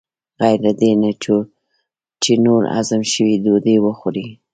غیر له دې نه چې نور هضم شوي ډوډۍ وخورې.